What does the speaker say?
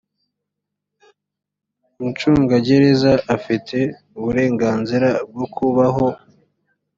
umucungagereza afite uburenganzira bwo kubaho